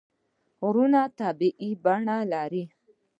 غرونه طبیعي بڼه لري.